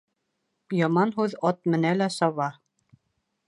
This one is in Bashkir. Яман һүҙ ат менә лә саба.